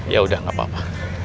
ya udah gapapa